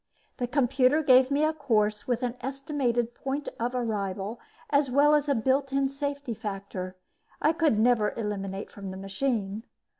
The computer gave me a course with an estimated point of arrival as well as a built in safety factor I never could eliminate from the machine.